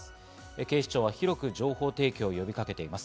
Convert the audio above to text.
警視庁は広く情報提供を呼びかけています。